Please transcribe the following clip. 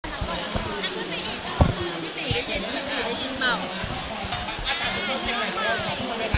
ยืนพริธีจะยืนพริธีได้ยินเมา